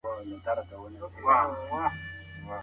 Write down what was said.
ښه ذهنیت ناکامي نه زیاتوي.